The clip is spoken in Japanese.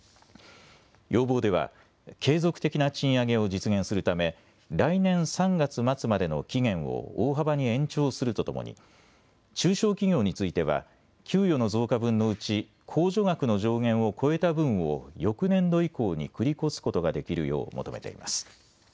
要望では継続的な賃上げを実現するため来年３月末までの期限を大幅に延長するとともに中小企業については給与の増加分のうち控除額の上限を超えた分を翌年度以降に繰り越すことができるよう求めています。